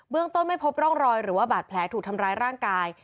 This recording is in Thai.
ต้นไม่พบร่องรอยหรือว่าบาดแผลถูกทำร้ายร่างกาย